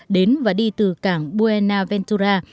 đến và đi từ cảng buena ventura